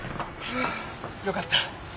よかった。